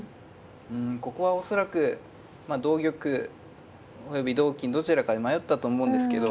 うんここは恐らく同玉および同金どちらかで迷ったと思うんですけど。